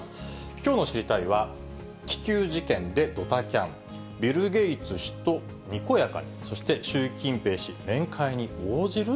きょうの知りたいッ！は、気球事件でドタキャン、ビル・ゲイツ氏とにこやかに、そして習近平氏、面会に応じる？